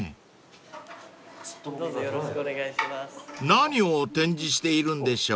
［何を展示しているんでしょう］